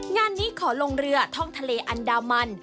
งานนี้ขอลงเรือท่องทะเลอันดามัน